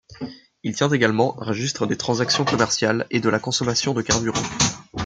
Il tient également un registre des transactions commerciales et de la consommation de carburant.